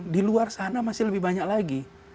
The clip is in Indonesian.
di luar sana masih lebih banyak lagi